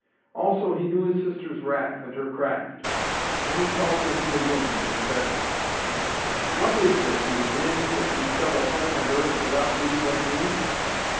Also he knew his sister's wrath and her craft. Then he called to him the winds and said, "What is this, ye winds, that ye trouble heaven and earth without leave of me?